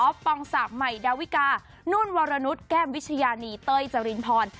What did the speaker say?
อ๊อฟปองสาบไหมดาวิกานุ่นวรนุษย์แก้มวิชญานีเต้ยจรินพร